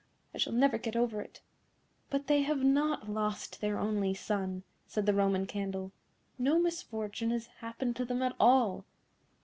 I shall never get over it." "But they have not lost their only son," said the Roman Candle; "no misfortune has happened to them at all."